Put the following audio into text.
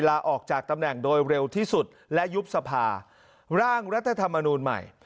ลาออกจากตำแหน่งโดยเร็วที่สุดและยุบสภาร่างรัฐธรรมนูลใหม่